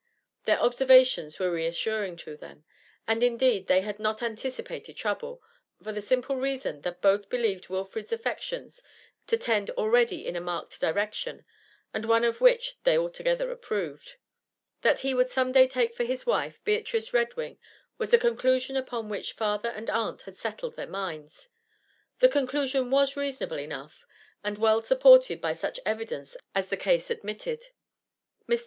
Their observations were reassuring to them. And indeed they had not anticipated trouble, for the simple reason that both believed Wilfrid's affections to tend already in a marked direction, and one of which they altogether approved. That he would some day take for his wife Beatrice Redwing was a conclusion upon which father and aunt had settled their minds; the conclusion was reasonable enough, and well supported by such evidence as the ease admitted. Mr.